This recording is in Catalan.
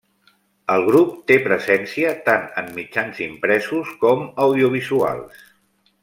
El grup té presència tant en mitjans impresos com audiovisuals.